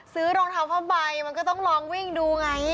ซื้อรองเท้าท่านไปมันก็ต้องลองวิ่งดูไง